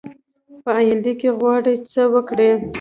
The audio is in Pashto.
په آینده کې غواړي څه وکړي ؟